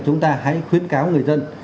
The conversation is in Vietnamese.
chúng ta hãy khuyến cáo người dân